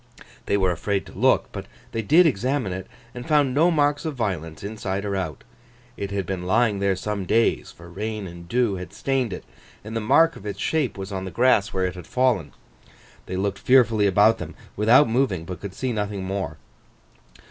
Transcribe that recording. They were afraid to look; but they did examine it, and found no mark of violence, inside or out. It had been lying there some days, for rain and dew had stained it, and the mark of its shape was on the grass where it had fallen. They looked fearfully about them, without moving, but could see nothing more.